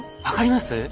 分かります？